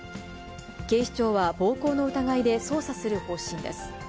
警視庁は暴行の疑いで捜査する方針です。